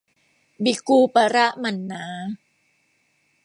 บิกูปะระหมั่นหนา